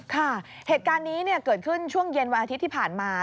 ค่ะเหตุการณ์นี้เกิดขึ้นช่วงเย็นวันอาทิตย์ที่ผ่านมา